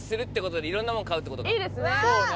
いいですね。